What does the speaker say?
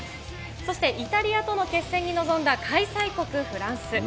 そしてイタリアとの決戦に臨んだ開催国、フランス。